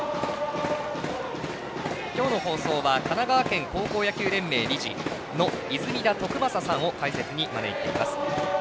今日の放送は神奈川県高校野球連盟理事の泉田徳正さんを解説に招いています。